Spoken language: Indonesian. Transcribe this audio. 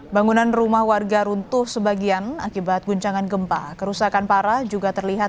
bangunan rumah warga runtuh sebagian akibat guncangan gempa kerusakan parah juga terlihat